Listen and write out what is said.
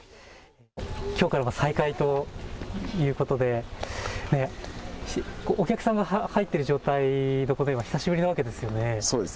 きょうからは再開ということでお客さんが入っている状態、久しぶりなわけですよね。